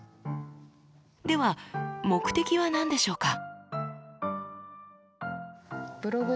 では目的は何でしょうか？